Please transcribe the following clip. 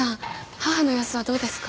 母の様子はどうですか？